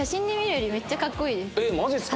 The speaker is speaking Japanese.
えっマジっすか？